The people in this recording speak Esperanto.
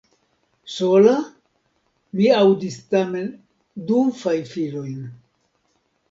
Sola!? Mi aŭdis tamen du fajfilojn.